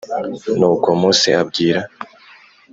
Nuko Mose abwira